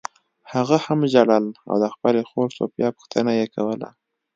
هغه هم ژړل او د خپلې خور سوفیا پوښتنه یې کوله